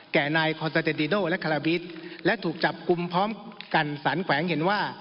แก่นายคอนสเตดีโดและคาราบิทและถูกจับกลุ่มพร้อมกันสารแขวงเห็นว่า